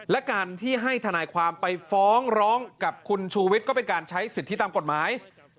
และการที่ให้ทนายความไปฟ้องร้องกับคุณชูวิทย์ก็เป็นการใช้สิทธิตามกฎหมาย